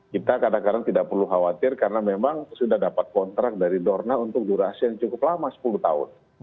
kita kadang kadang tidak perlu khawatir karena memang sudah dapat kontrak dari dorna untuk durasi yang cukup lama sepuluh tahun